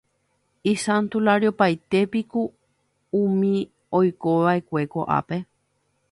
Isantularioitépiko umi oikova'ekue ko'ápe.